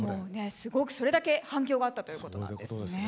すごくそれだけ反響があったということなんですね。